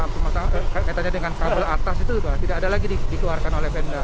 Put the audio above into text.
pemasangan tiang katanya dengan kabel atas itu tidak ada lagi dikeluarkan oleh benda